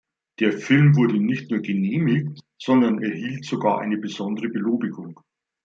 Der Film wurde nicht nur genehmigt, sondern erhielt sogar eine besondere Belobigung.